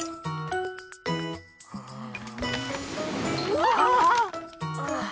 うわ！ああ。